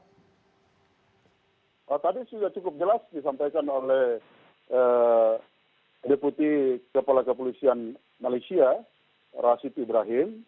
tadi sudah cukup jelas disampaikan oleh deputi kepala kepolisian malaysia rasid ibrahim